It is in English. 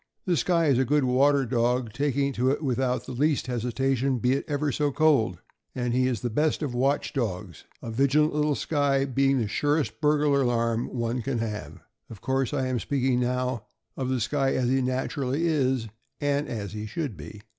The Skye is a good water dog, taking to it without the least hesitation, be it ever so cold; and he is the best of watch dogs — a vigilant little Skye being the surest burglar alarm one can have. Of course I am speaking now of the Skye as he naturally is, and as he should be.